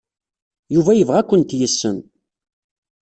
Yuba yebɣa ad kent-yessen.